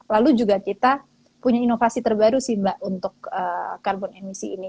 lalu juga kita punya inovasi terbaru sih mbak untuk karbon emisi ini